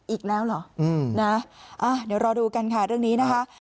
อีกแล้วเหรอนะเดี๋ยวรอดูกันค่ะเรื่องนี้นะคะ